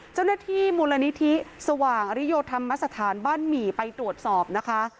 เจ้าหน้าที่มูลนิธิสว่างอริโยธรรมสถานบ้านหมี่ไปตรวจสอบนะคะ